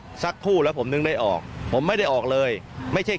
สักคู่แล้วผมนึกได้ออกผมไม่ได้ออกเลยไม่ใช่